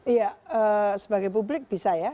iya sebagai publik bisa ya